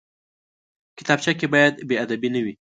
کتابچه کې باید بېادبي نه وي